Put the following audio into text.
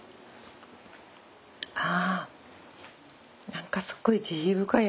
あ何かすっごい慈悲深い味する。